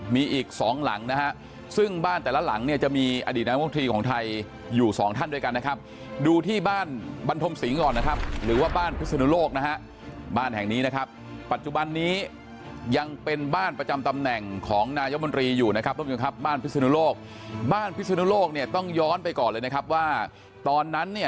มีอีกสองหลังนะฮะซึ่งบ้านแต่ละหลังเนี่ยจะมีอดีตนายมนตรีของไทยอยู่สองท่านด้วยกันนะครับดูที่บ้านบรรทมสิงห์ก่อนนะครับหรือว่าบ้านพิศนุโลกนะฮะบ้านแห่งนี้นะครับปัจจุบันนี้ยังเป็นบ้านประจำตำแหน่งของนายมนตรีอยู่นะครับทุกผู้ชมครับบ้านพิศนุโลกบ้านพิศนุโลกเนี่ยต้องย้อนไปก่อนเลยนะครับว่าตอนนั้นเนี่ย